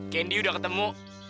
candy sudah ketemu